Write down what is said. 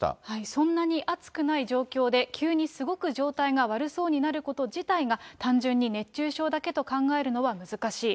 そんなに暑くない状況で急にすごく状態が悪そうになること自体が、単純に熱中症だけと考えるのは難しい。